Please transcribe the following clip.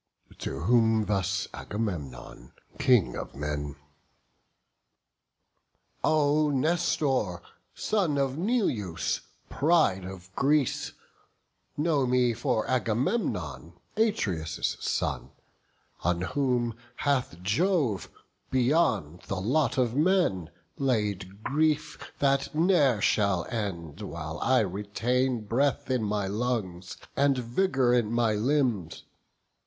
To whom thus Agamemnon, King of men: "O Nestor! son of Neleus, pride of Greece, Know me for Agamemnon, Atreus' son, On whom hath Jove, beyond the lot of men, Laid grief that ne'er shall end, while I retain Breath in my lungs, and vigour in my limbs.